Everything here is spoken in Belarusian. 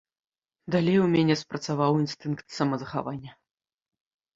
Далей у мяне спрацаваў інстынкт самазахавання.